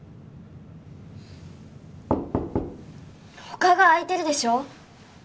他が空いてるでしょう？